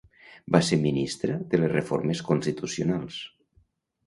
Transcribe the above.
Va ser ministra de les Reformes Constitucionals.